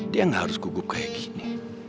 dia yang harus gugup kayak gini